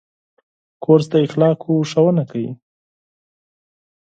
کورس د اخلاقو ښوونه کوي.